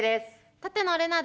舘野伶奈です。